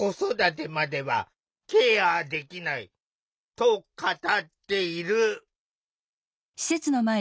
と語っている。